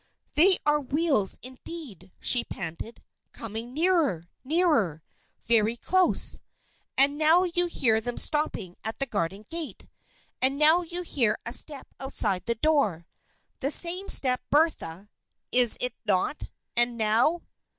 "They are wheels indeed!" she panted. "Coming nearer! Nearer! Very close! And now you hear them stopping at the garden gate! And now you hear a step outside the door the same step, Bertha is it not? and now!